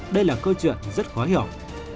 đây là câu chuyện rất khó hiểu